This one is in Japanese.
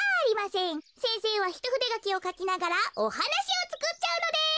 せんせいはひとふでがきをかきながらおはなしをつくっちゃうのです。